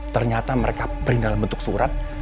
ternyata mereka print dalam bentuk surat